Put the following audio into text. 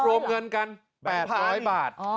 รวมเงินกัน๘๐๐บาท